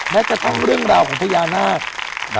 แม้จะต้องเรื่องราวของพญานาศ